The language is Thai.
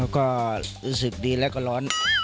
ก็รู้สึกดีแล้วก็ร้อน